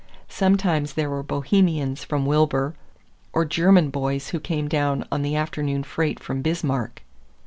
Sometimes there were Bohemians from Wilber, or German boys who came down on the afternoon freight from Bismarck.